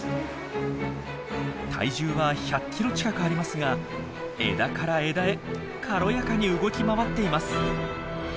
体重は１００キロ近くありますが枝から枝へ軽やかに動き回っています。